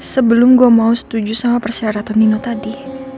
sebelum gue mau setuju sama persyaratan nino tadi